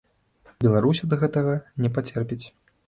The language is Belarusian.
Беларусь ад гэтага не пацерпіць.